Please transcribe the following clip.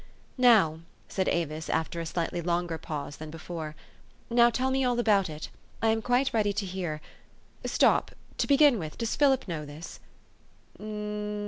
4 'Now," said Avis, after a slightly longer pause than before, "now tell me all about it. I am quite ready to hear. Stop ! To begin with, does Philip know this?"